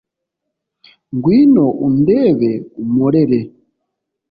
ngwino undebe umporere